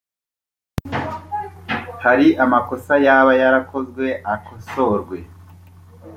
hari amakosa yaba yarakozwe akosorwe